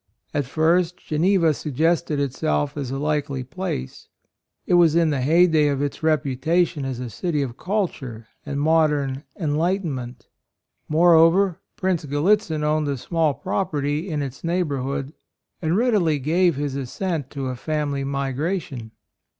At first Geneva suggested itself as a likely place ; it was in the heyday of its reputation as a city of culture and modern "enlightenment." Moreover, Prince Gallitzin owned a small property in its neighbor hood, and readily gave his as sent to a family migration.